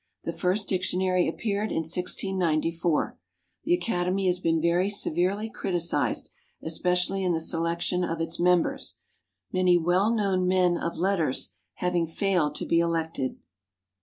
The first dictionary appeared in 1694. The Academy has been very severely criticised, especially in the selection of its members, many well known men of letters having failed to be elected.